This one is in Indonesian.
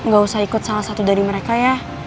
gak usah ikut salah satu dari mereka ya